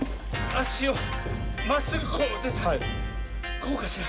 あしをまっすぐこうでこうかしら。